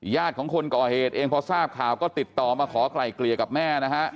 ของคนก่อเหตุเองพอทราบข่าวก็ติดต่อมาขอไกล่เกลี่ยกับแม่นะฮะ